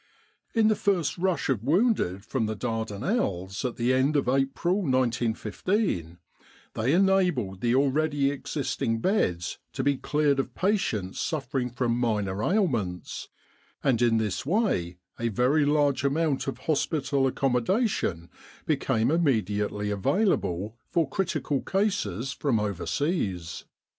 In the first rush of wounded from the Dardanelles 27 With the R.A.M.C. in Egypt at the end of April, 1915, they enabled the already existing beds to be cleared of patients suffering from minor ailments, and in this way a very large amount of hospital accommodation became immediately avail able for critical cases from overseas.